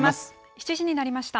７時になりました。